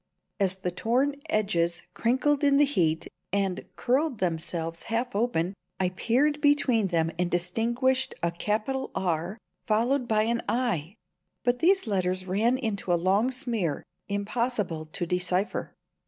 As the torn edges crinkled in the heat and curled themselves half open, I peered between them and distinguished a capital "R," followed by an "i"; but these letters ran into a long smear, impossible to decipher.